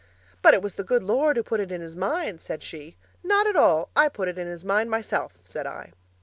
'But it was the good Lord who put it in his mind,' said she. 'Not at all! I put it in his mind myself,' said I.